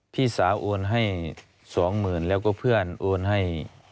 พี่สาวโอนให้๒๐๐๐แล้วก็เพื่อนโอนให้